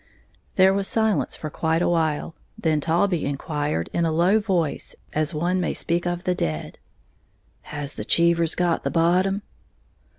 There was silence for quite a while; then Taulbee inquired, in a low voice, as one may speak of the dead, "Has the Cheevers got the bottom?"